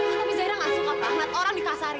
tapi zagira gak suka pak ngeliat orang dikasarin